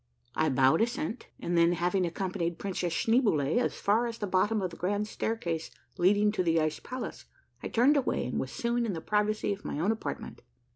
I bowed assent, and then, having accompanied Princess Schneeboule as far as the bottom of the grand staircase leading to the ice palace, I turned away and was soon in the privacy of my own apartment.